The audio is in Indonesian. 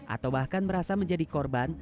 atau bahkan merasa menjadi korban